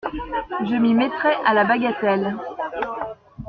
Je m’y mettrai à la bagatelle…